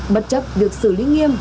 bất chấp việc xử lý nghiêm